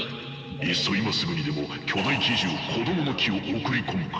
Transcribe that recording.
いっそ今すぐにでも巨大奇獣「こどもの樹」を送り込むか。